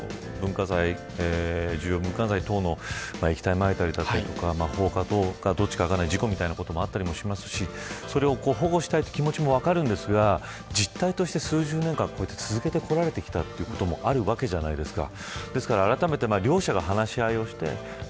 重要文化財等に液体をまいたりとか放火とか何か分からない事故みたいなこともあったりしますしそれを保護したいという気持ちも分かるんですが実態として数十年間続けてこられたということもあるわけじゃないですか。